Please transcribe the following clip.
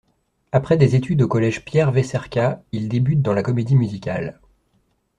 Après des études au collège Pierre-Weczerka, il débute dans la comédie musicale.